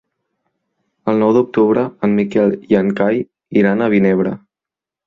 El nou d'octubre en Miquel i en Cai iran a Vinebre.